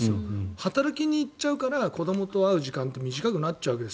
働きに行っちゃうから子どもと会う時間って短くなっちゃうんです